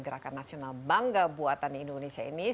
gerakan nasional bangga buatan indonesia ini